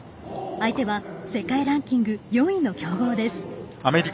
相手は世界ランキング４位の強豪です。